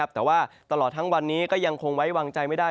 แต่ว่าตลอดทั้งวันนี้ก็ยังคงไว้วางใจไม่ได้